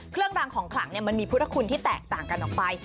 เครื่องรางของขลังมันมีพุทธคุณที่แตกต่างกันออกไป